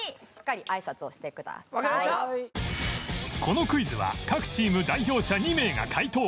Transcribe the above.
このクイズは各チーム代表者２名が解答